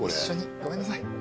ごめんなさい。